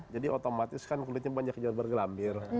jadi otomatis kan kulitnya banyak yang bergelambir